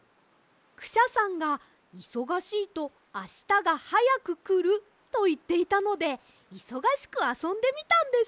クシャさんが「いそがしいとあしたがはやくくる」といっていたのでいそがしくあそんでみたんです。